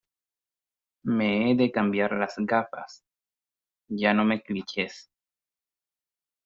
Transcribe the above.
Me he de cambiar las gafas, ya no me clichés.